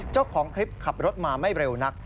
เจ้าของคลิปขับรถมาไม่เร็วนัก